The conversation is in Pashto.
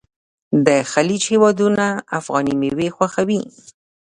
د خلیج هیوادونه افغاني میوې خوښوي.